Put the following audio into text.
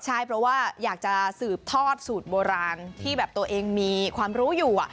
ใช่เพราะว่าอยากจะสืบทอดสูตรโบราณที่แบบตัวเองมีความรู้อยู่